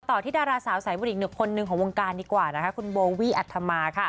ต่อที่ดาราสาวสายบุญอีกหนึ่งคนหนึ่งของวงการดีกว่าคุณโบวี่อัธมา